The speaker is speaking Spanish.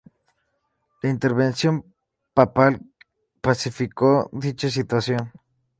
La intervención papal pacificó dicha situación.